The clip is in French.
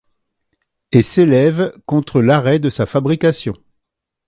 Et s'élève contre l'arrêt de sa fabrication.